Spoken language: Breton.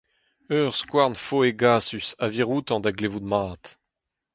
Ur skouarnfo hegasus a vir outañ da glevout mat.